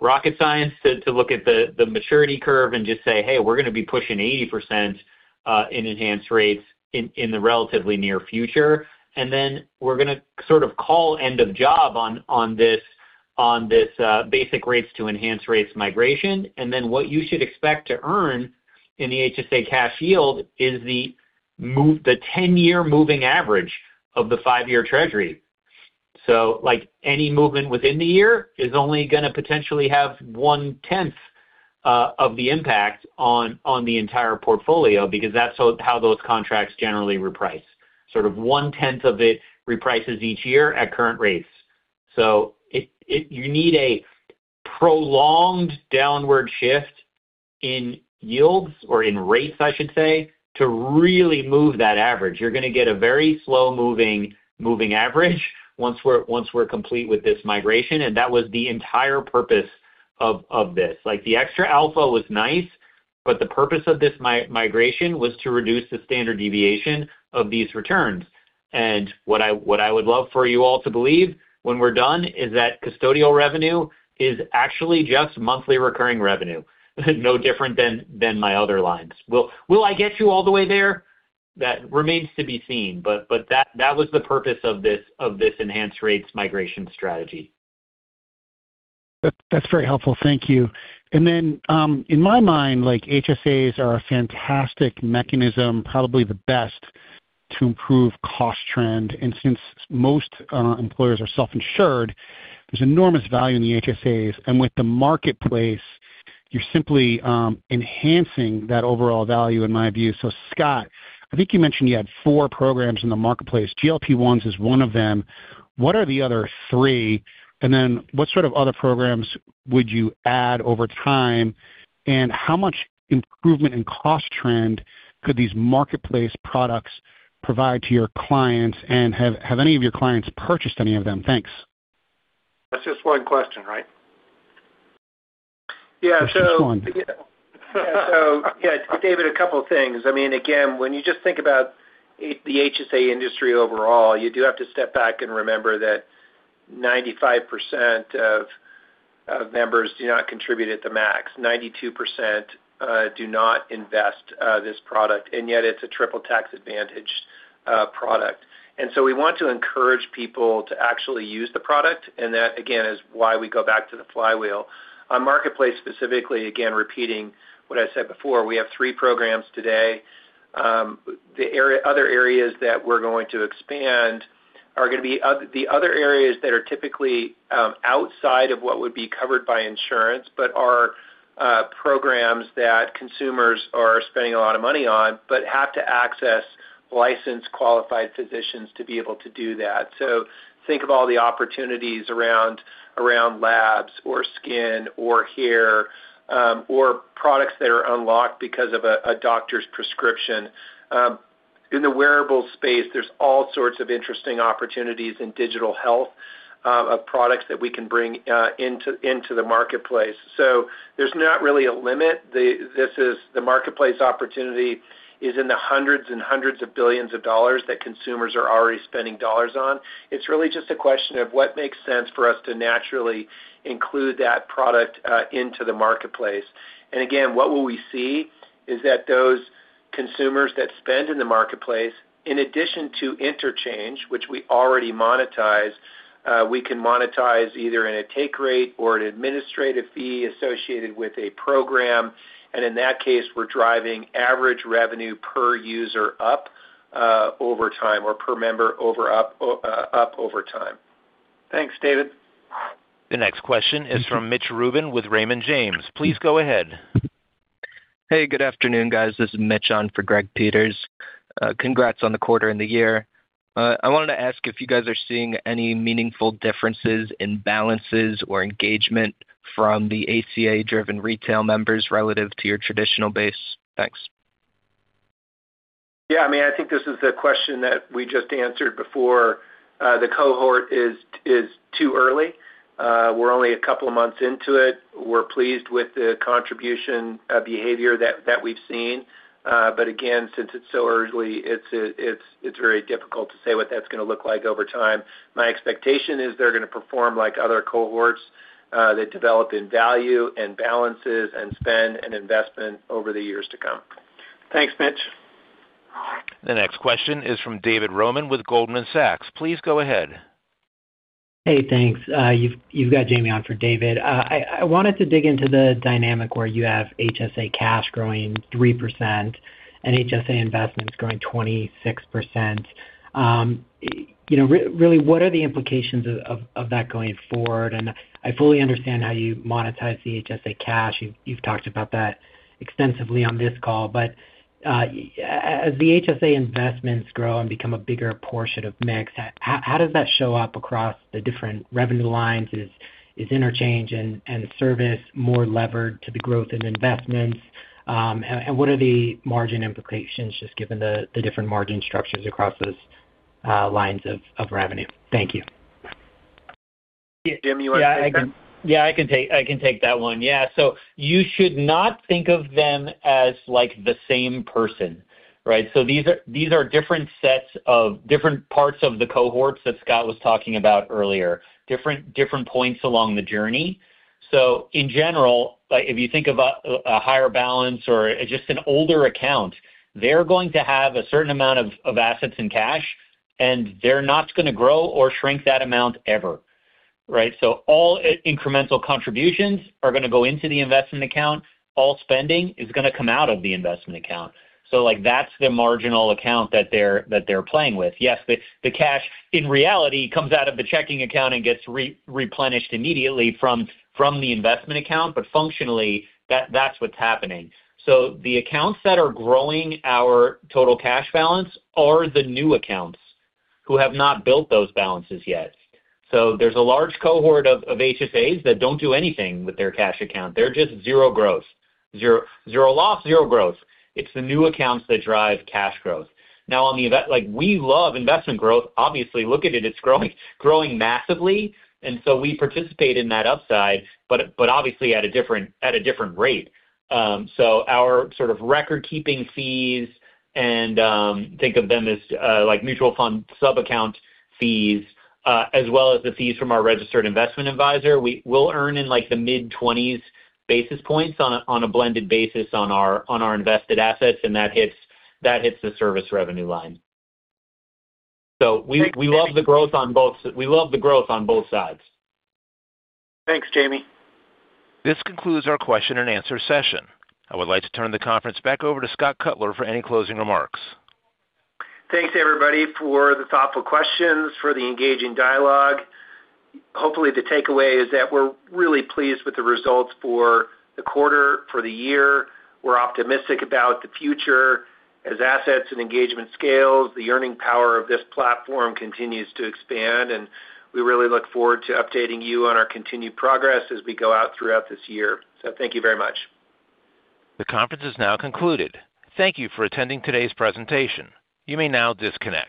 rocket science to look at the maturity curve and just say, "Hey, we're going to be pushing 80% in Enhanced Rates in the relatively near future." Then we're going to sort of call end of job on this Basic Rates to Enhanced Rates migration. Then what you should expect to earn in the HSA cash yield is the 10-year moving average of the five-year Treasury. Like any movement within the year is only going to potentially have 1/10 of the impact on the entire portfolio because that's how those contracts generally reprice. Sort of 1/10 of it reprices each year at current rates. You need a prolonged downward shift in yields or in rates, I should say, to really move that average. You're going to get a very slow moving average once we're complete with this migration, and that was the entire purpose of this. Like, the extra alpha was nice, but the purpose of this migration was to reduce the standard deviation of these returns. What I would love for you all to believe when we're done is that custodial revenue is actually just monthly recurring revenue, no different than my other lines. Will I get you all the way there? That remains to be seen, but that was the purpose of this Enhanced Rates migration strategy. That's very helpful. Thank you. In my mind, like HSAs are a fantastic mechanism, probably the best to improve cost trend. Since most employers are self-insured, there's enormous value in the HSAs. With the Marketplace, you're simply enhancing that overall value in my view. Scott, I think you mentioned you had four programs in the Marketplace. GLP-1s is one of them. What are the other three? What sort of other programs would you add over time? How much improvement in cost trend could these Marketplace products provide to your clients? Have any of your clients purchased any of them? Thanks. That's just one question, right? Just one. Yeah, David, a couple of things. I mean, again, when you just think about the HSA industry overall, you do have to step back and remember that 95% of members do not contribute at the max. 92% do not invest this product, and yet it's a triple-tax advantage product. And so, we want to encourage people to actually use the product and that, again, is why we go back to the flywheel. On Marketplace specifically, again, repeating what I said before, we have three programs today. Other areas that we're going to expand are the other areas that are typically outside of what would be covered by insurance, but are programs that consumers are spending a lot of money on, but have to access licensed, qualified physicians to be able to do that. Think of all the opportunities around labs or skin or hair, or products that are unlocked because of a doctor's prescription. In the wearable space, there's all sorts of interesting opportunities in digital health, of products that we can bring into the Marketplace. There's not really a limit. This is the Marketplace opportunity in the hundreds and hundreds of billions of dollars that consumers are already spending dollars on. It's really just a question of what makes sense for us to naturally include that product into the Marketplace. What will we see is that those consumers that spend in the Marketplace, in addition to interchange, which we already monetize, we can monetize either in a take rate or an administrative fee associated with a program. In that case, we're driving average revenue per user up over time or per member up over time. Thanks, David. The next question is from Mitch Rubin with Raymond James. Please go ahead. Hey, good afternoon, guys. This is Mitch on for Greg Peters. Congrats on the quarter and the year. I wanted to ask if you guys are seeing any meaningful differences in balances or engagement from the ACA-driven retail members relative to your traditional base. Thanks. Yeah, I mean, I think this is the question that we just answered before. The cohort is too early. We're only a couple of months into it. We're pleased with the contribution behavior that we've seen. But again, since it's so early, it's very difficult to say what that's going to look like over time. My expectation is they're going to perform like other cohorts that develop in value and balances and spend and investment over the years to come. Thanks, Mitch. The next question is from David Roman with Goldman Sachs. Please go ahead. Hey, thanks. You've got Jamie on for David. I wanted to dig into the dynamic where you have HSA cash growing 3% and HSA investments growing 26%. You know, really, what are the implications of that going forward? I fully understand how you monetize the HSA cash. You've talked about that extensively on this call. As the HSA investments grow and become a bigger portion of mix, how does that show up across the different revenue lines? Is interchange and service more levered to the growth in investments? What are the margin implications, just given the different margin structures across those lines of revenue? Thank you. Jim, you want to take that? Yeah, I can take that one. Yeah. You should not think of them as, like, the same person, right? These are different sets of different parts of the cohorts that Scott was talking about earlier, different points along the journey. In general, like, if you think about a higher balance or just an older account, they're going to have a certain amount of assets and cash, and they're not going to grow or shrink that amount ever, right? All incremental contributions are going to go into the investment account. All spending is going to come out of the investment account. Like, that's the marginal account that they're playing with. Yes, the cash, in reality, comes out of the checking account and gets replenished immediately from the investment account. But functionally, that's what's happening. The accounts that are growing our total cash balance are the new accounts who have not built those balances yet. There's a large cohort of HSAs that don't do anything with their cash account. They're just zero growth. Zero loss, zero growth. It's the new accounts that drive cash growth. Now, like we love investment growth, obviously. Look at it. It's growing massively. We participate in that upside but obviously at a different rate. Our sort of record-keeping fees and think of them as like mutual fund sub-account fees as well as the fees from our Registered Investment Advisor. We'll earn in like the mid-twenties basis points on a blended basis on our invested assets, and that hits the service revenue line. We love the growth on both sides. Thanks, Jamie. This concludes our question-and-answer session. I would like to turn the conference back over to Scott Cutler for any closing remarks. Thanks, everybody, for the thoughtful questions, for the engaging dialogue. Hopefully, the takeaway is that we're really pleased with the results for the quarter, for the year. We're optimistic about the future. As assets and engagement scales, the earning power of this platform continues to expand, and we really look forward to updating you on our continued progress as we go out throughout this year. Thank you very much. The conference is now concluded. Thank you for attending today's presentation. You may now disconnect.